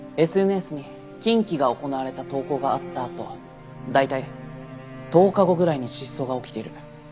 ＳＮＳに禁忌が行われた投稿があったあと大体１０日後ぐらいに失踪が起きている。